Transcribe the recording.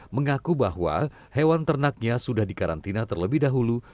mengaku bahwa hewan ternaknya sudah dikarantina terlebih dahulu